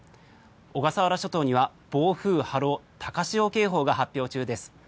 小笠原諸島には暴風・波浪・高潮警報が発表中です。